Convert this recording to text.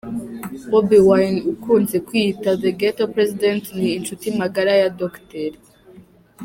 Bobi Wine ukunze kwiyita The Ghetto President ni inshuti magara ya Dr.